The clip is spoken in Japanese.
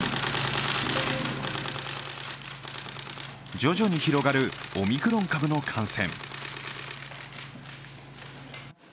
徐々に広がるオミクロン株の感染。